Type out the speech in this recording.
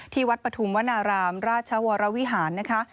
วัดปฐุมวนารามราชวรวิหารนะคะ